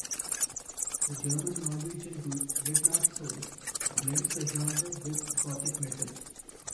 The German-Norwegian group Midnattsol blends the genre with gothic metal.